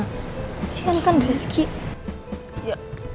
kesian kan rizky